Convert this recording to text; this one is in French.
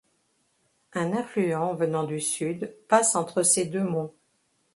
Un affluent venant du sud passe entre ces deux monts.